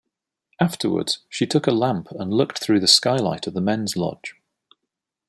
Afterwards, she took a lamp and looked through the skylight of the men's lodge.